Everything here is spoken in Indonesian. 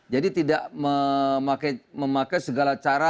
tidak memakai segala cara